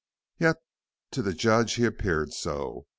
Yet to the judge he appeared so.